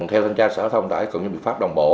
theo thanh tra sở thông tải cộng với biện pháp đồng bộ